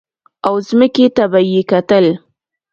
او ځمکې ته به یې کتل.